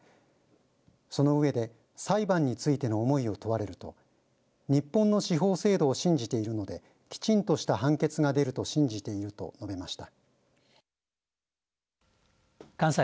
そのうえで裁判についての思いを問われると日本の司法制度を信じているのできちんとした判決が出ると信じていると述べました。